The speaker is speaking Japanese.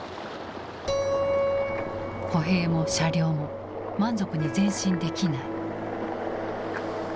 歩兵も車両も満足に前進できない。